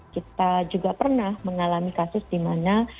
kita juga pernah mengalami kasus dimana